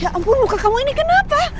ya ampun luka kamu ini kenapa